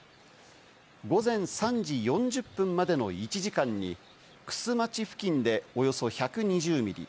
午前３時４０分までの１時間に玖珠町付近でおよそ１２０ミリ。